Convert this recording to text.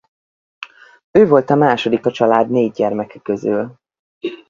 Ő volt a második a család négy gyermeke közül.